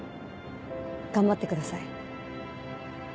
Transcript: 頑張ってください。